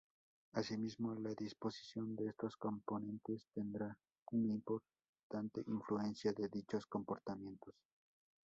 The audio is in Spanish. Asimismo, la disposición de estos componentes tendrá una importante influencia en dichos comportamientos.